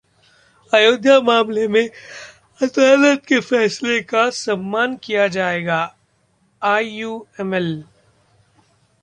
अयोध्या मामले में अदालत के फैसले का सम्मान किया जाए: आईयूएमएल